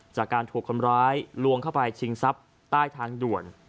จากการถูกคนร้ายลวงเข้าไปชิงทรัพย์ใต้ทางด่วน